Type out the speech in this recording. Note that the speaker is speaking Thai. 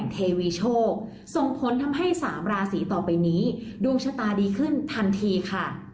เทวีโชคส่งผลทำให้๓ราศีต่อไปนี้ดวงชะตาดีขึ้นทันทีค่ะ